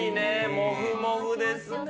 モフモフです。